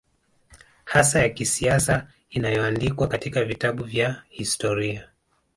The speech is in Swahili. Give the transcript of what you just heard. hasa ya kisiasa inayoandikwa katika vitabu vya historia